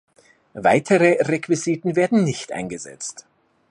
Weitere Requisiten werden nicht eingesetzt.